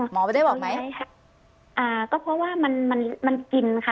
หมอไม่ได้บอกไหมอ่าก็เพราะว่ามันมันกินค่ะ